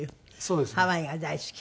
ハワイが大好き？